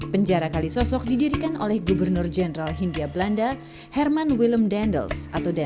penjara kalisosok didirikan oleh gubernur jenderal hindia belanda herman willem dendels